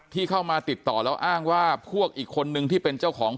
ที่เข้ามาติดต่อแล้วอ้างว่าพวกอีกคนนึงที่เป็นเจ้าของ